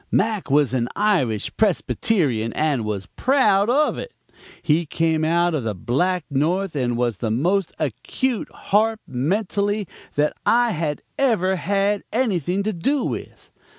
Mac was an Irish Presbyterian, and was proud of it; he came out of the Black North and was the most acute harp, mentally, that I had ever had anything to do with.